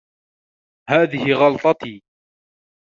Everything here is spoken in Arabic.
هذه غلطتي.